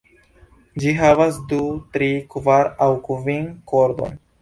Ĝi havas du, tri, kvar aŭ kvin kordojn.